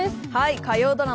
火曜ドラマ